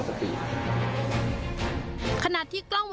ได้ยินกี่นัดครับ